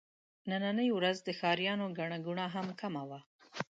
نننۍ ورځ د ښاريانو ګڼه ګوڼه هم کمه وه.